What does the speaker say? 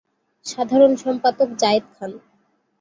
সাধারণ সম্পাদক: জায়েদ খান।